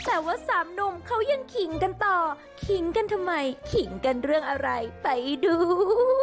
แต่ว่าสามหนุ่มเขายังขิงกันต่อขิงกันทำไมขิงกันเรื่องอะไรไปดู